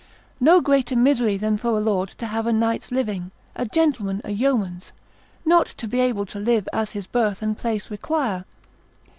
No greater misery than for a lord to have a knight's living, a gentleman a yeoman's, not to be able to live as his birth and place require.